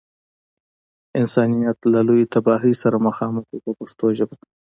انسانیت له لویې تباهۍ سره مخامخ و په پښتو ژبه.